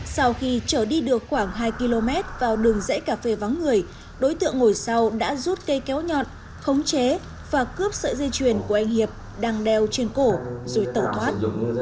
sau khi chở đi được khoảng hai km vào đường rẫy cà phê vắng người đối tượng ngồi sau đã rút cây kéo nhọn khống chế và cướp sợi dây chuyền của anh hiệp đang đeo trên cổ rồi tẩu thoát